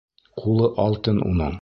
Ҡулы алтын уның.